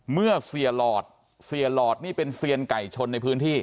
เมื่อเสียหลอดเสียหลอดนี่เป็นเซียนไก่ชนในพื้นที่